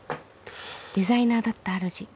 デザイナーだったあるじ。